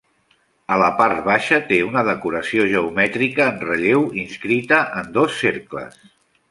A la part baixa té una decoració geomètrica en relleu, inscrita en dos cercles.